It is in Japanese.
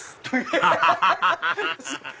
アハハハ！